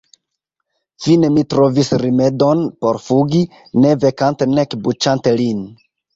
Fine mi trovis rimedon por fugi, ne vekante nek buĉante lin.